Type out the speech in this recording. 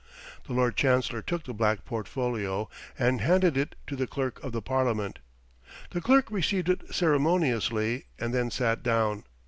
The Lord Chancellor took the black portfolio, and handed it to the Clerk of the Parliament. The Clerk received it ceremoniously, and then sat down.